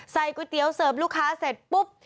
ก๋วยเตี๋ยวเสิร์ฟลูกค้าเสร็จปุ๊บ